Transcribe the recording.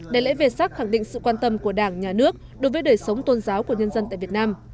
đại lễ về sắc khẳng định sự quan tâm của đảng nhà nước đối với đời sống tôn giáo của nhân dân tại việt nam